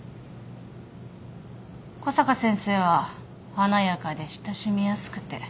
小坂先生は華やかで親しみやすくて。